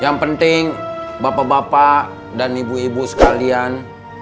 yang penting bapak bapak dan ibu ibu sekalian